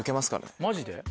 マジで？